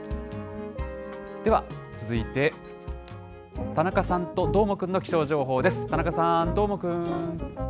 では、続いて、田中さんと、どーもくんの気象情報です。